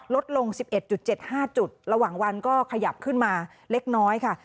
ลดลง๑๑๗๕จุดระหว่างวันก็ขยับขึ้นมาเล็กน้อยค่ะ